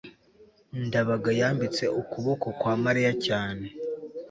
ndabaga yambitse ukuboko kwa mariya cyane